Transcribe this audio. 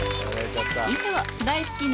以上大好きな